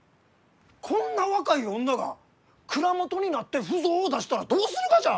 こんな若い女が蔵元になって腐造を出したらどうするがじゃ！？